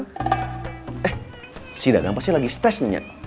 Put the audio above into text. eh si dagang pasti lagi stresnya